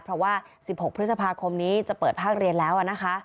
เพราะว่า๑๖พฤษภาคมนี้จะเปิดภาคเรียนแล้วนะคะ